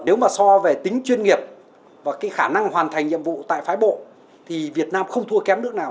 nếu mà so về tính chuyên nghiệp và cái khả năng hoàn thành nhiệm vụ tại phái bộ thì việt nam không thua kém nước nào